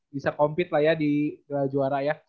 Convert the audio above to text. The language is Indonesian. bisa compete lah ya di juara ya